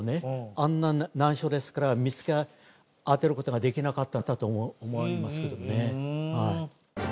あんな難所ですから見つけ当てることができなかったんだと思われますけどもねはい。